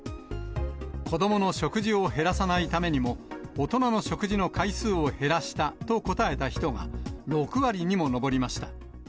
子どもの食事を減らさないためにも、大人の食事の回数を減らしたと答えた人が６割にも上りました。